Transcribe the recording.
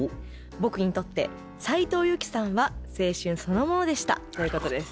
僕にとって斉藤由貴さんは青春そのものでした」ということです。